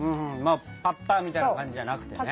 パッパみたいな感じじゃなくてね。